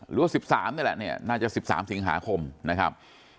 หรือว่าสิบสามนี่แหละเนี่ยน่าจะสิบสามสิงหาคมนะครับ